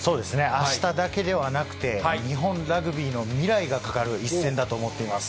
あしただけではなくて、日本ラグビーの未来がかかる一戦だと思っています。